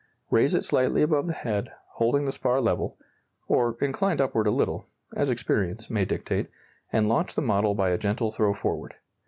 Raise it slightly above the head, holding the spar level, or inclined upward a little (as experience may dictate), and launch the model by a gentle throw forward.